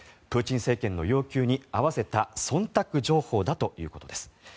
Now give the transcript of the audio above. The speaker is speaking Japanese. プーチン政権の要求に合わせた忖度情報だということです。